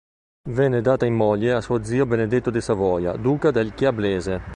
Venne data in moglie a suo zio Benedetto di Savoia, Duca del Chiablese.